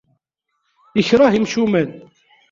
Ikreh imcumen.